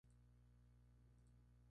Inmediatamente parió a su hijo en la isla.